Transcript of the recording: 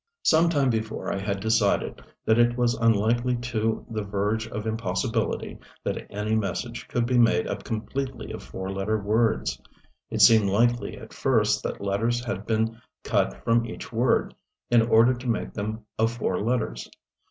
Some time before I had decided that it was unlikely to the verge of impossibility that any message could be made up completely of four letter words. It seemed likely, at first, that letters had been cut from each word in order to make them of four letters.